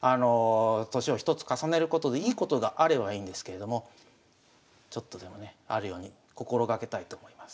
年を１つ重ねることでいいことがあればいいんですけれどもちょっとでもねあるように心掛けたいと思います。